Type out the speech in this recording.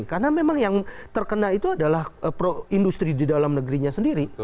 karena memang yang terkena itu adalah industri di dalam negerinya sendiri